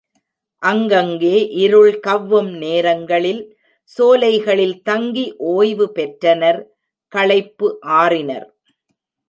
அங்கங்கே இருள் கவ்வும் நேரங்களில் சோலைகளில் தங்கி ஓய்வு பெற்றனர் களைப்பு ஆறினர்.